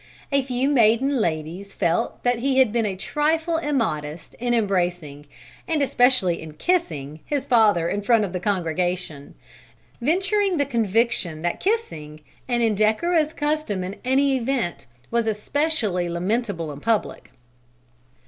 A few maiden ladies felt that he had been a trifle immodest in embracing, and especially in kissing, his father in front of the congregation; venturing the conviction that kissing, an indecorous custom in any event, was especially lamentable in public.